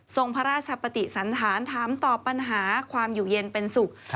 พระราชปฏิสันฐานถามตอบปัญหาความอยู่เย็นเป็นสุข